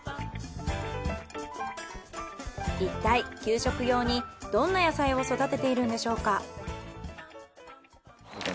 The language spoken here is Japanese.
いったい給食用にどんな野菜を育てているんでしょうか。